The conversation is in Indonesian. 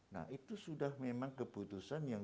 nah itu sudah memang keputusan yang